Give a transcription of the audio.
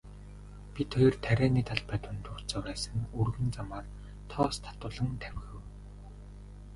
Бид хоёр тарианы талбай дундуур зурайсан өргөн замаар тоос татуулан давхив.